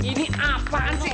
ini apaan sih